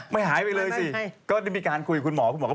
ไม่หายไปเลยสิก็มีการคุยกับคุณหมอ